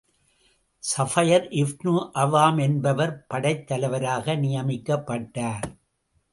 Zubair ibn Awwam என்பவர் படைத் தலைவராக நியமிக்கப்பட்டார்.